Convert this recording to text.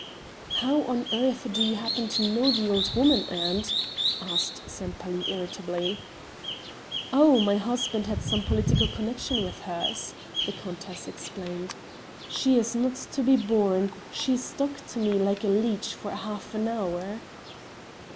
"How on earth do you happen to know the old woman, aunt?" asked Sempaly irritably. "Oh! my husband had some political connection with hers," the countess explained. "She is not to be borne, she stuck to me like a leech for half an hour."